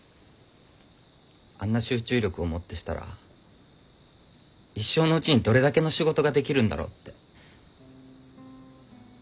あんな集中力をもってしたら一生のうちにどれだけの仕事ができるんだろうって。